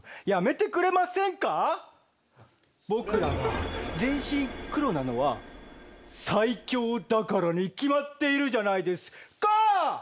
僕らが全身黒なのは最強だからに決まっているじゃないですカァ！